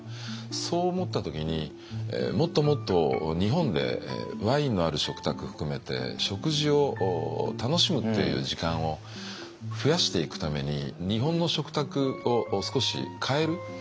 そう思った時にもっともっと日本でワインのある食卓含めて食事を楽しむっていう時間を増やしていくために日本の食卓を少し変える。